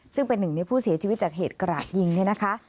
ซึ่งเป็นหนึ่งในผู้เสียชีวิตจากเหตุกระดยิงเนี่ยนะคะ